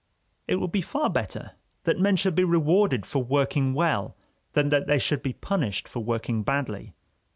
It would be far better that men should be rewarded for working well than that they should be punished for working badly.